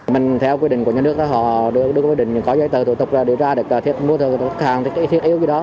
mình theo quyết định của nhà nước đó họ đưa quyết định có giấy tờ thủ tục để ra để mua thức hàng thiết yếu như đó